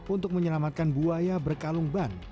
untuk menyelamatkan buaya berkalung ban